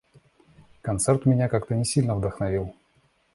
Концерт меня как-то не сильно вдохновил.